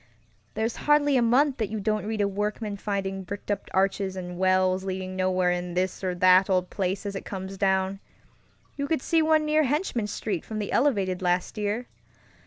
There's hardly a month that you don't read of workmen finding bricked up arches and wells leading nowhere in this or that old place as it comes downŌĆöyou could see one near Henchman Street from the elevated last year.